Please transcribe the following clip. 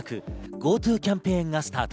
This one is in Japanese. ＧｏＴｏキャンペーンがスタート。